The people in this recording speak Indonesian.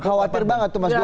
khawatir banget tuh mas budi